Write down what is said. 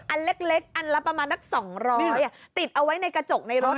อันเล็กอันละประมาณนัก๒๐๐ติดเอาไว้ในกระจกในรถ